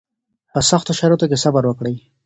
په سختو شرایطو کې صبر وکړئ